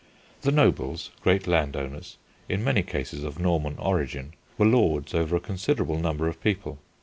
The nobles, great landowners, in many cases of Norman origin, were lords over a considerable number of people.